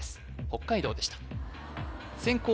北海道でした先攻